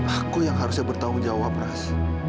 aku yang harusnya bertanggung jawab ras